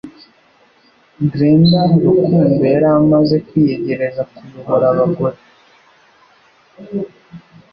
Glenda Rukundo yari amaze kwiyegereza kuyobora abagore